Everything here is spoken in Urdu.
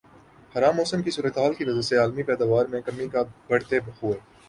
خراب موسم کی صورتحال کی وجہ سے عالمی پیداوار میں کمی کے بڑھتے ہوئے